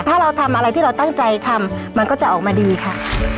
ถ้าเราทำอะไรที่เราตั้งใจทำมันก็จะออกมาดีค่ะ